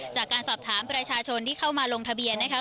จากการสอบถามประชาชนที่เข้ามาลงทะเบียนนะคะ